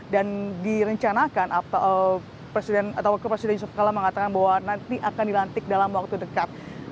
dan direncanakan wakil presiden yusuf kala mengatakan bahwa nanti akan dilantik dalam waktu dekat